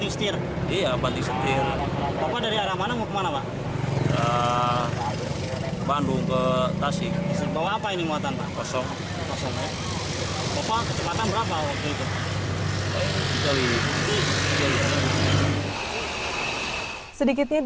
sedikitnya dua kenaikan